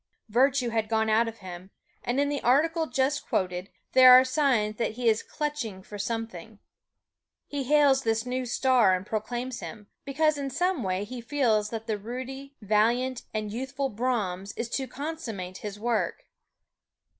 Virtue had gone out of him; and in the article just quoted, there are signs that he is clutching for something. He hails this new star and proclaims him, because in some way he feels that the ruddy, valiant and youthful Brahms is to consummate his work.